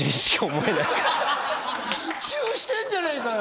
チューしてんじゃねえかよ